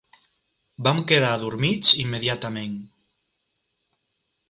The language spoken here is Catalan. Vam quedar adormits immediatament.